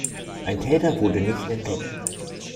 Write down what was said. Ein Täter wurde nicht entdeckt.